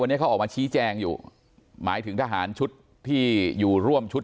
วันนี้เขาออกมาชี้แจงอยู่หมายถึงทหารชุดที่อยู่ร่วมชุด